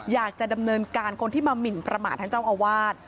อยากจะดำเนินการคนที่มาหมินประมาททั้งเจ้าอาวาส